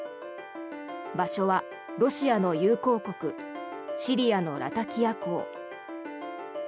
場所はロシアの友好国シリアのラタキア港。